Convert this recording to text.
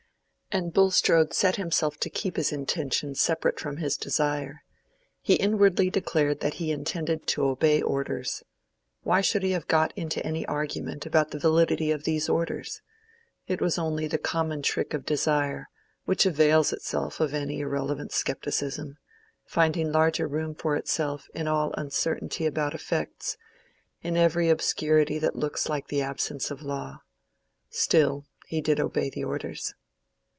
And Bulstrode set himself to keep his intention separate from his desire. He inwardly declared that he intended to obey orders. Why should he have got into any argument about the validity of these orders? It was only the common trick of desire—which avails itself of any irrelevant scepticism, finding larger room for itself in all uncertainty about effects, in every obscurity that looks like the absence of law. Still, he did obey the orders.